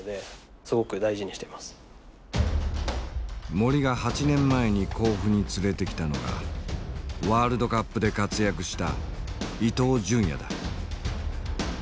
森が８年前に甲府に連れてきたのがワールドカップで活躍した伊東純也だ。